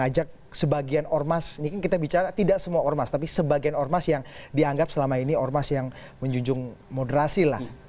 ajak sebagian ormas ini kan kita bicara tidak semua ormas tapi sebagian ormas yang dianggap selama ini ormas yang menjunjung moderasi lah